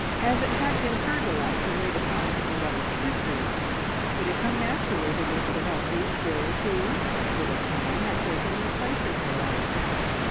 As it had been her delight to wait upon her beloved sisters, it had come naturally to wish to help these girls who, for the time, had taken their place in her life.